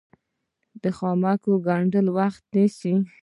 د خامک ګنډل وخت نیسي